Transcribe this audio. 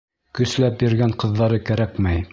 Көсләп биргән ҡыҙҙары кәрәкмәй!